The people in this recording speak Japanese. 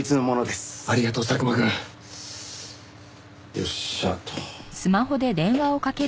よっしゃと。